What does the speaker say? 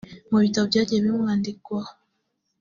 Mu bitabo byagiye bimwandikwaho